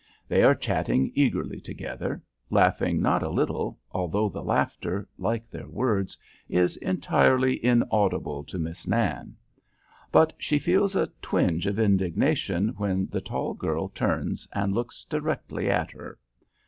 They are chatting eagerly together, laughing not a little, although the laughter, like their words, is entirely inaudible to Miss Nan. But she feels a twinge of indignation when the tall girl turns and looks directly at her.